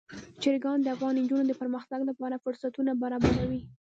چرګان د افغان نجونو د پرمختګ لپاره فرصتونه برابروي.